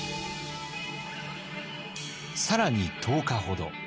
更に１０日ほど。